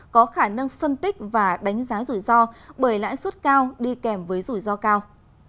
có khả năng phân tích và đánh giá rủi ro bởi lãi suất cao đi kèm với rủi ro cao